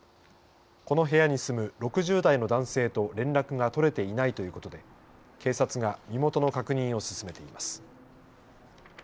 この部屋に住む６０代の男性と連絡が取れていないということで警察が身元の確認を進めています。